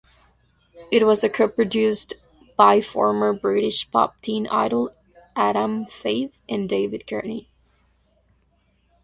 It was co-produced by former British pop teen idol Adam Faith and David Courtney.